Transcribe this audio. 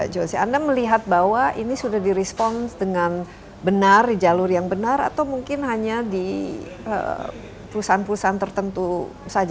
jose anda melihat bahwa ini sudah di response dengan benar di jalur yang benar atau mungkin hanya di perusahaan perusahaan tertentu saja